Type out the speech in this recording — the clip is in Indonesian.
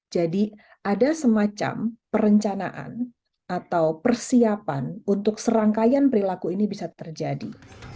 jadi ada semacam perencanaan atau persiapan untuk serangkaian perilaku ini bisa terjadi